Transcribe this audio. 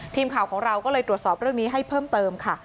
ทีมข่าวของเราก็เลยตรวจสอบเรื่องนี้ให้เพิ่มเติมค่ะ